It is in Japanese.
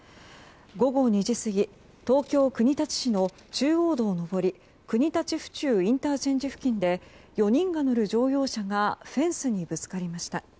午後２時過ぎ東京・国立市の中央道上り国立府中ＩＣ付近で４人が乗る乗用車がフェンスにぶつかりました。